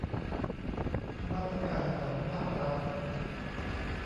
มาตรการของภาครัฐ